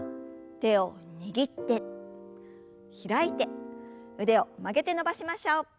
手を握って開いて腕を曲げて伸ばしましょう。